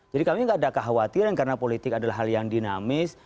jadi kami gak ada kekhawatiran karena politik adalah hal yang dinamis